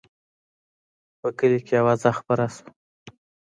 په کلي کې اوازه خپره شوه.